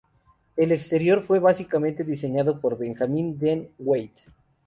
El exterior fue básicamente diseñado por Benjamín Dean Wyatt.